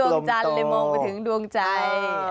ดวงจันทร์เลยมองไปถึงดวงใจ